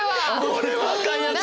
これはあかんやつ！